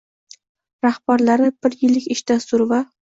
rahbarlari bir yillik ish dasturi va